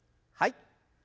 はい。